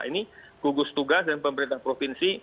ini gugus tugas dan pemerintah provinsi